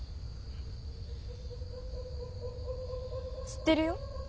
知ってるよ